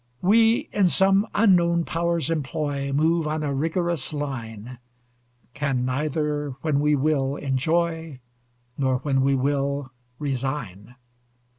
We, in some unknown Power's employ, Move on a rigorous line; Can neither, when we will, enjoy, Nor, when we will, resign.